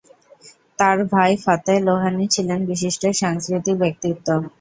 তার ভাই ফতেহ লোহানী ছিলেন বিশিষ্ট সাংস্কৃতিক ব্যক্তিত্ব।